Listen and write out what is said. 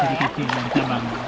kecil kecil yang terbang